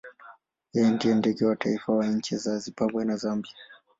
Yeye ndiye ndege wa kitaifa wa nchi za Zimbabwe na Zambia.